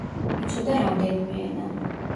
იცოდა რამდენიმე ენა.